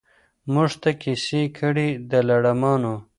موږ ته کیسې کړي د لړمانو